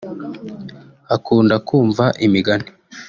Akunda kumva imigani